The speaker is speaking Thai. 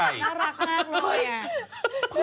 นะรักมากเลย